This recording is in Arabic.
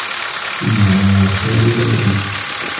ثُمَّ عَلَى سُورِ بَلَدِهِ